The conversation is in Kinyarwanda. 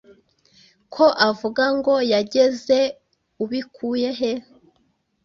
Ko avuga ngo yageze ubikuyehe